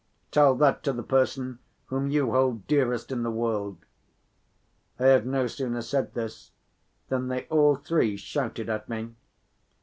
Tell that to the person whom you hold dearest in the world." I had no sooner said this than they all three shouted at me.